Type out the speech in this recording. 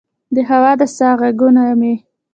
د هوا د سا ه ږغونه مې